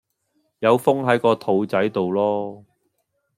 有風係個肚仔到囉